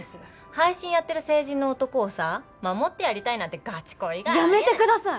配信やってる成人の男をさ守ってやりたいなんてガチ恋以外やめてください！